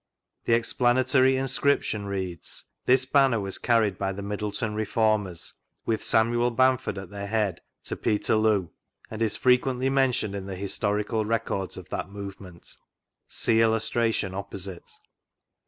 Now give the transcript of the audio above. The explanatory inscriprion reads: "This Banner was carried by the Middleton Reformers, with Samuel Bamford at their head, to Peterloo, and is frequendy mentioned in the historical records of that movement" (See Illustration opposite).